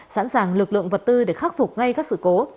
sẵn sàng lực lượng vật tư để khắc phục ngay các sự cố